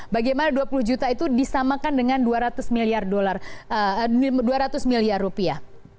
bagaimana dua puluh juta itu disamakan dengan dua ratus miliar rupiah